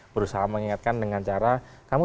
berusaha mengingatkan dengan cara kamu